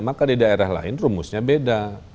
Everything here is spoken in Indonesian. maka di daerah lain rumusnya beda